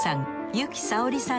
由紀さおりさん